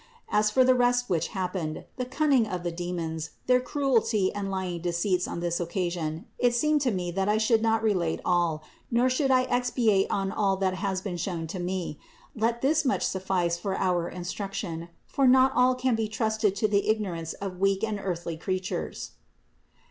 As for the rest which happened, the cunning of the demons, their cruelty and lying deceits on this occasion, it seemed to me, that I should not relate all, nor that I should expatiate on all that has been shown to me ; let this much suffice for our instruction; for not all can be trusted to the ignorance of weak and earthly creatures.